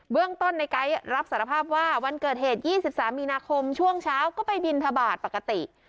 เรื่องต้นในไก๊รับสารภาพว่าวันเกิดเหตุ๒๓มีนาคมช่วงเช้าก็ไปบินทบาทปกติ